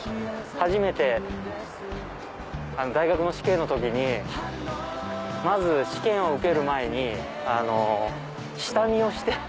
初めて大学の試験の時にまず試験を受ける前に下見をして。